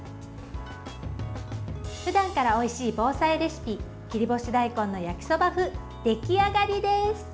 ふだんからおいしい防災レシピ切り干し大根の焼きそば風出来上がりです！